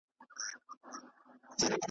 راته ازل ایستلي لاري پرېښودلای نه سم .